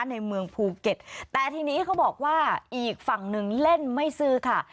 ในเมืองภูเก็ตแต่ทีนี้เขาบอกว่าอีกฝั่งหนึ่งเล่นไม่ซื้อค่ะ